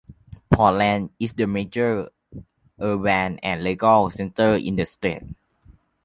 Portland is the major urban and legal center in the state.